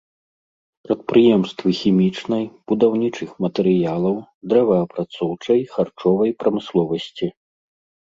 Прадпрыемствы хімічнай, будаўнічых матэрыялаў, дрэваапрацоўчай, харчовай прамысловасці.